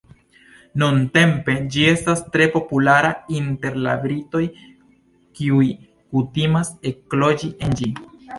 Nuntempe ĝi estas tre populara inter la britoj kiuj kutimas ekloĝi en ĝi.